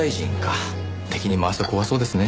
敵に回すと怖そうですね。